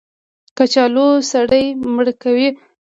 کچالو سړی مړ کوي